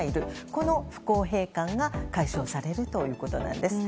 この不公平感が解消されるということなんです。